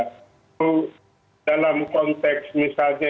itu dalam konteks misalnya